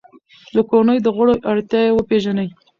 د کورنۍ د غړو اړتیاوې وپیژنئ.